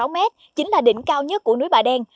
chín trăm tám mươi sáu m chính là đỉnh cao nhất của núi bà đen